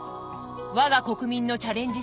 我が国民のチャレンジ